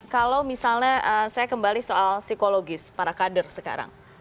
kalau misalnya saya kembali soal psikologis para kader sekarang